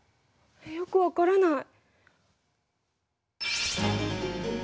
よく分からない。